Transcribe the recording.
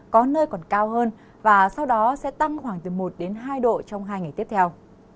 có nơi còn cao hơn và sau đó sẽ tăng khoảng từ một đến hai độ trong hai ngày tiếp theo